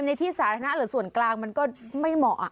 ในที่สาธารณะหรือส่วนกลางมันก็ไม่เหมาะ